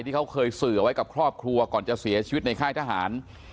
ที่เขาเคยสื่อไว้กับครอบครัวก่อนจะเสียชีวิตในค่ายทหาร